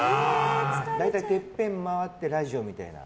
大体、てっぺん回ってラジオみたいな。